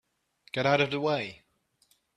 Get out of the way!